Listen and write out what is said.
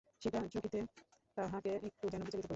সেটা চকিতে তাহাকে একটু যেন বিচলিত করিল।